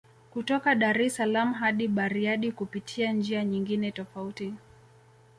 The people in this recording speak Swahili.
Kutoka Dar es salaaam hadi Bariadi kupitia njia nyingine tofauti